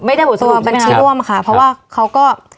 ไม่ได้หมดสรุปใช่ไหมคะตัวบัญชีร่วมค่ะเพราะว่าเขาก็